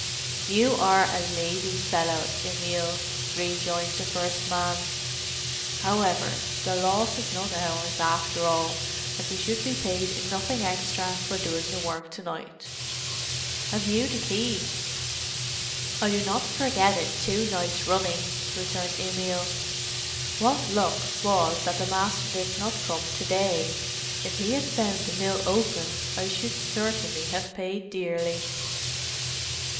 "You are a lazy fellow, Emil," rejoined the first man. "However, the loss is not ours, after all, and we should be paid nothing extra for doing the work to night. Have you the key?" "I do not forget it two nights running," returned Emil. "What luck it was that the master did not come to day!—if he had found the mill open I should certainly have paid dearly."